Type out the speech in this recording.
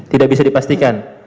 tidak bisa dipastikan